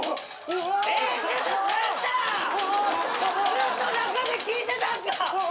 ずっと中で聞いてたんか！？